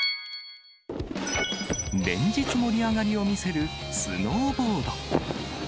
連日盛り上がりを見せるスノーボード。